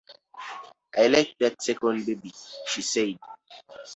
"I like that second baby," she said.